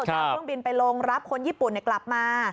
จะเอาเครื่องบินไปลงรับคนญี่ปุ่นกลับมา